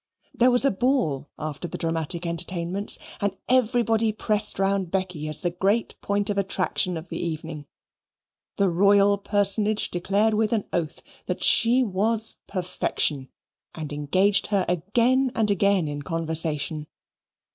There was a ball after the dramatic entertainments, and everybody pressed round Becky as the great point of attraction of the evening. The Royal Personage declared with an oath that she was perfection, and engaged her again and again in conversation.